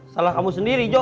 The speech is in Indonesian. salah kamu sendiri jo